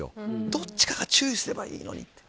どっちかが注意すればいいのにと。